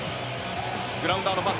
グラウンダーのパス。